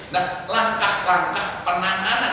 langkah langkah penanganan